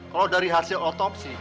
kalo dari hasil otopsi